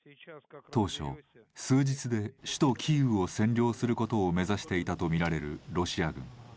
当初、数日で首都キーウを占領することを目指していたとみられるロシア軍。